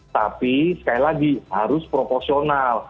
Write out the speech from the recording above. tapi sekali lagi harus proporsional